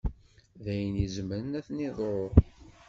D ayen i izemmren ad ten-iḍuṛ.